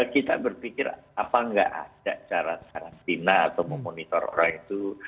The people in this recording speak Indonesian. kita berpikir apa nggak ada cara karantina atau memonitor orang itu